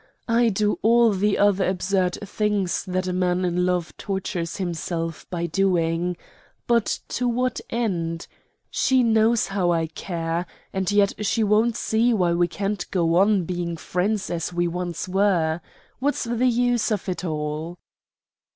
I do all the other absurd things that a man in love tortures himself by doing. But to what end? She knows how I care, and yet she won't see why we can't go on being friends as we once were. What's the use of it all?"